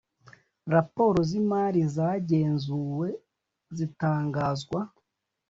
raporo z imari zagenzuwe zitangazwa